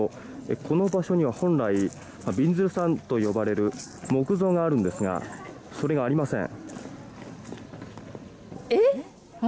この場所には本来びんずるさんと呼ばれる木像があるのですがそれがありません。